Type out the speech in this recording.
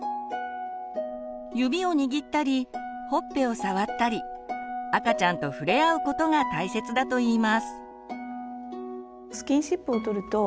指を握ったりほっぺを触ったり赤ちゃんと触れ合うことが大切だといいます。